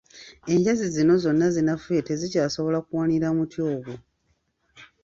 Enjazi zino zonna zinafuye tezikyasobola kuwanirira muti ogwo.